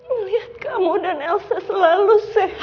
ngeliat kamu dan elsa selalu sehat dan bahagia